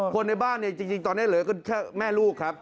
คนในบ้านเนี่ยจริงตอนนี้เหลือก็แค่แม่ลูกครับ